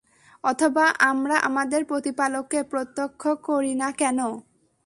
অথবা আমরা আমাদের প্রতিপালককে প্রত্যক্ষ করি না কেন?